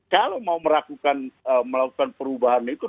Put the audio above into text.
kalau mau melakukan perubahan itu